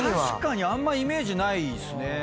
確かにあんまイメージないっすね。